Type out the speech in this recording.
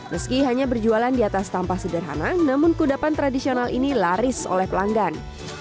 bukannya berjualan di atas tampak sederhana namun keundapan tradisional ini laris oleh pelanggan